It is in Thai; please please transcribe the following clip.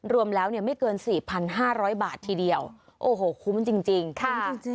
รวมแล้วไม่เกิน๔๕๐๐บาททีเดียวโอ้โหคุ้มจริงค่ะ